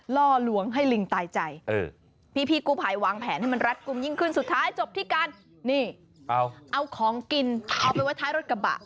ล่อลวงให้ลิงตายใจพี่กู้ภัยวางแผนให้มันรัดกลุ่มยิ่งขึ้นสุดท้ายจบที่การนี่เอาของกินเอาไปไว้ท้ายรถกระบะ